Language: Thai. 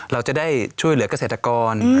เราจะได้ช่วยเหลือกเกษตรกร